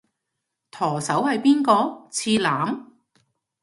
舵手係邊個？次男？